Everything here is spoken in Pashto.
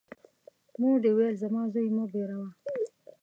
مور دي وویل : زما زوی مه بېروه!